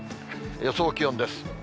予想気温です。